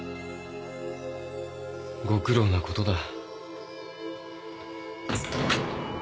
ご苦労なことだ。